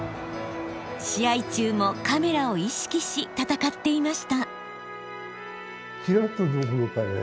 試合中もカメラを意識し戦っていました。